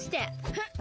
フッ！